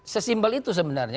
sesimple itu sebenarnya